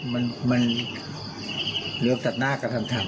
มันเหลือตัดหน้ากันทั้งทั้ง